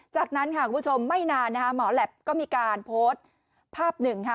จากนั้นคุณผู้ชมไม่นานหมอแลบก็มีการโพสต์ภาพหนึ่ง